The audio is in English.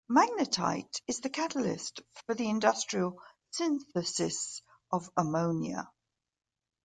Magnetite is the catalyst for the industrial synthesis of ammonia.